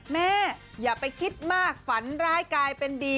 แม่อย่าไปคิดมากฝันร้ายกลายเป็นดี